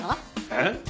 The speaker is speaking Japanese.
えっ？